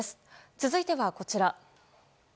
続いては、こちら。